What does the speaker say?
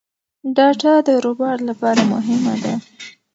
ډاټا د روباټ لپاره مهمه ده.